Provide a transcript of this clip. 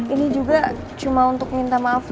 ini juga cuma untuk minta maaf